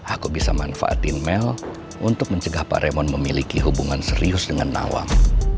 aku bisa manfaatin mel untuk mencegah paremon memiliki hubungan serius dengan nawang